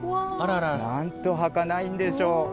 なんとはかないんでしょう。